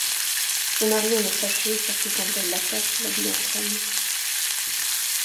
Son mari en est fâché, surtout quand elle l’attache et l’habille en femme.